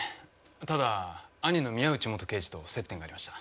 ただ兄の宮内元刑事と接点がありました。